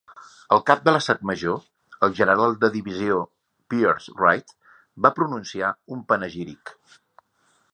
El Cap de l'Estat Major, el general de Divisió Piers Reid, va pronunciar un panegíric.